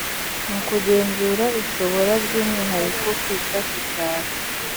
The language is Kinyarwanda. mu kugenzura ishobora by’umwihariko kwita ku cyaro